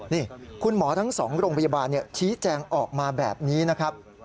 นี่คุณหมอทั้ง๒โรงพยาบาลชี้แจงออกมาแบบนี้นะครับ